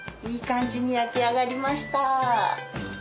いい感じに焼き上がりました。